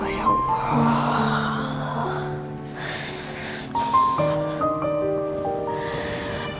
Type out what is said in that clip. oh ya allah